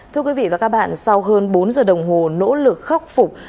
thưa quý vị và các bạn sau hơn bốn giờ đồng hồ nỗ lực khắc phục